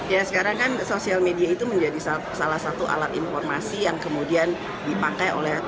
ya sekarang kan sosial media itu menjadi salah satu alat informasi yang kemudian dipakai oleh